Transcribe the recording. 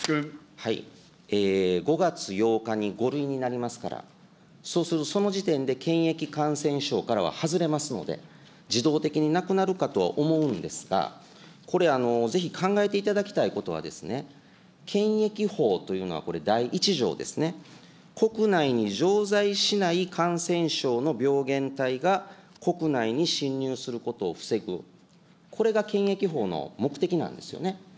５月８日に５類になりますから、そうするとその時点で、検疫感染症からは外れますので、自動的になくなるかと思うんですが、これ、ぜひ考えていただきたいことはですね、検疫法というのは、これ、第１条ですね、国内に常在しない感染症の病原体が国内に侵入することを防ぐ、これが検疫法の目的なんですよね。